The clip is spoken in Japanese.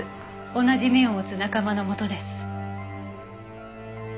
同じ目を持つ仲間の元です。